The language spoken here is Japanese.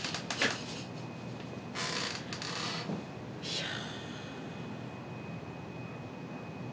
いや。